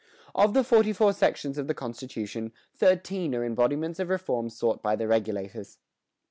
"Of the forty four sections of the constitution, thirteen are embodiments of reforms sought by the Regulators."